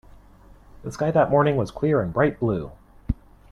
The sky that morning was clear and bright blue.